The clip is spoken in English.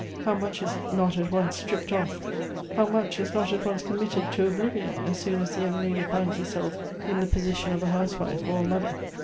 How much is not at once stripped off; how much is not at once committed to oblivion, as soon as the young lady finds herself in the position of a housewife or a mother